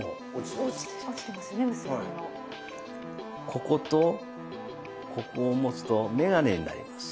こことここを持つと眼鏡になります。